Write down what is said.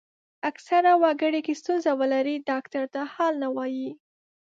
اکثره وګړي که ستونزه ولري ډاکټر ته حال نه وايي.